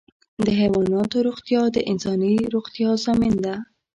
د حیواناتو روغتیا د انساني روغتیا ضامن ده.